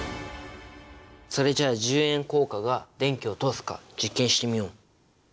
それじゃあ１０円硬貨が電気を通すか実験してみよう！